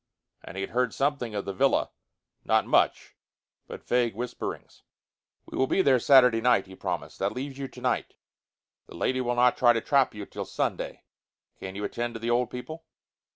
And he had heard something of the villa; not much, but vague whisperings. "We will be there Saturday night," he promised. "That leaves you tonight. The lady will not try to trap you till Sunday. Can you attend to the old people?"